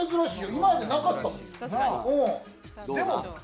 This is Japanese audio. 今まで、なかったもん。